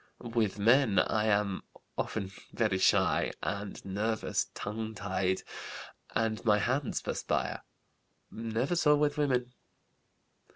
With men I am often very shy and nervous, tongue tied, and my hands perspire. Never so with women.